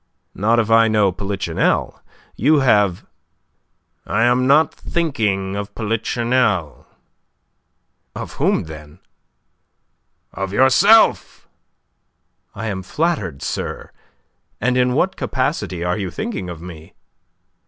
"Not if I know Polichinelle. You have..." "I am not thinking of Polichinelle." "Of whom, then?" "Of yourself." "I am flattered, sir. And in what capacity are you thinking of me?"